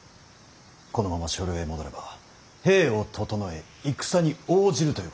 このまま所領へ戻れば兵を調え戦に応じるということ。